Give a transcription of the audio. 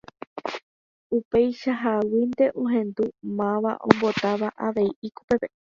Upeichaháguinte ohendu máva ombotáva avei ikupépe.